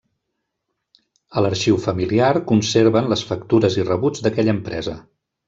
A l'arxiu familiar conserven les factures i rebuts d'aquella empresa.